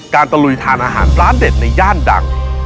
ตะลุยทานอาหารร้านเด็ดในย่านดัง